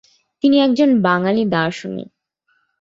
তিনি একজন বাঙালি দার্শনিক।